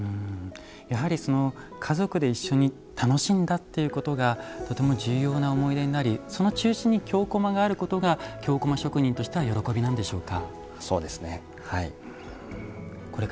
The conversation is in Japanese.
やはり、家族で一緒に楽しんだということがとても重要な思い出になりその中心に京こまがあることが京こま職人としては喜びなんでしょうか？